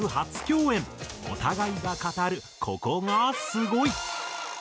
お互いが語るここがすごい！